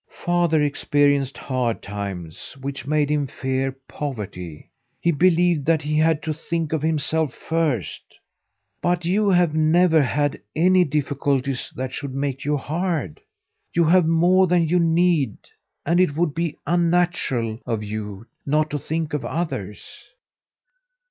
Father experienced hard times, which made him fear poverty. He believed that he had to think of himself first. But you have never had any difficulties that should make you hard. You have more than you need, and it would be unnatural of you not to think of others."